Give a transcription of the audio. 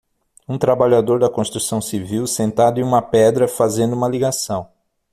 um trabalhador da construção civil sentado em uma pedra, fazendo uma ligação.